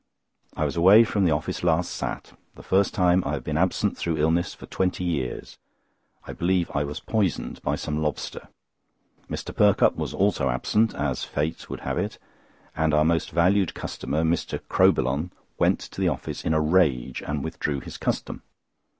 I was away from office last Sat., the first time I have been absent through illness for twenty years. I believe I was poisoned by some lobster. Mr. Perkupp was also absent, as Fate would have it; and our most valued customer, Mr. Crowbillon, went to the office in a rage, and withdrew his custom.